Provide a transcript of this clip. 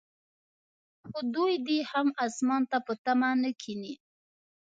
خو دوی دې هم اسمان ته په تمه نه کښیني.